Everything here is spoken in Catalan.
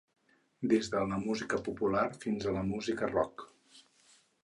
Des de la música popular fins a la música rock.